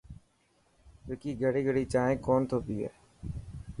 وڪي گڙي گڙي جائين ڪونه ٿو پئي.